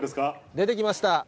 出てきました。